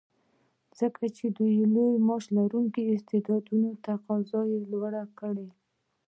ځکه چې د لوړ معاش لرونکو استعدادونو تقاضا یې لوړه کړې